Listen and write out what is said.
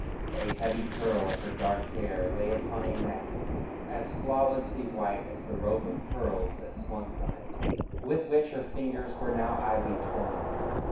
A heavy curl of her dark hair lay upon a neck as flawlessly white as the rope of pearls that swung from it, with which her fingers were now idly toying.